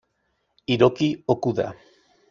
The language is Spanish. Hiroki Okuda